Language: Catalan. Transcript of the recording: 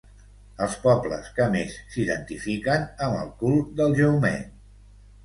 Els pobles que més s'identifiquen amb el cul del Jaumet.